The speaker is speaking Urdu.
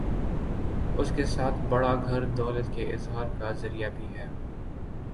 اس کے ساتھ بڑا گھر دولت کے اظہار کا ذریعہ بھی ہے۔